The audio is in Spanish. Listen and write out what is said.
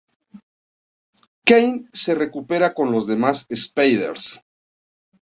Kaine se recupera con los demás spiders.